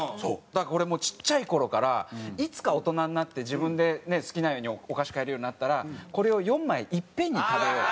だからこれもうちっちゃい頃からいつか大人になって自分でね好きなようにお菓子買えるようになったらこれを４枚一遍に食べようっていう。